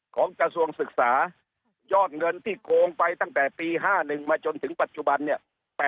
กระทรวงศึกษายอดเงินที่โกงไปตั้งแต่ปี๕๑มาจนถึงปัจจุบันเนี่ย